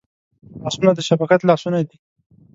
لاسونه د شفقت لاسونه دي